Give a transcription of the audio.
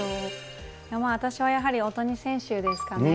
私はやはり大谷選手ですかね。